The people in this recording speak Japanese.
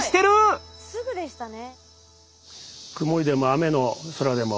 すぐでしたね。